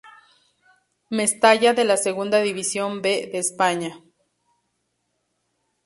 Mestalla de la Segunda División B de España.